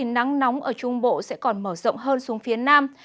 nắng nóng ở trung bộ sẽ còn mở rộng hơn xuống phía nam